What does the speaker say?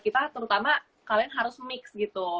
kita terutama kalian harus mix gitu